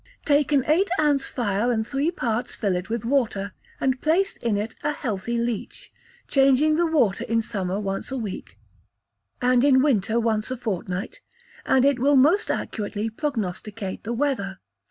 Take an eight ounce phial and three parts fill it with water, and place in it a healthy leech, changing the water in summer once a week, and in winter once in a fortnight, and it will most accurately prognosticate the weather.